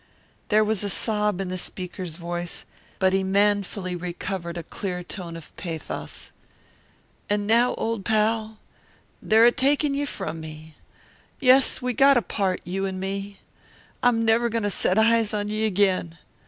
There was a sob in the speaker's voice, but he manfully recovered a clear tone of pathos. "And now, old pal, they're a takin' ye from me yes, we got to part, you an' me. I'm never goin' to set eyes on ye agin.